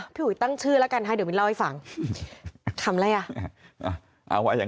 พี่หุยตั้งชื่อแล้วกันเดี๋ยวมีนเล่าให้ฟัง